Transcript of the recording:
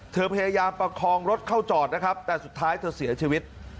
พยายามประคองรถเข้าจอดนะครับแต่สุดท้ายเธอเสียชีวิต